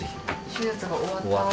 手術が終わったあと。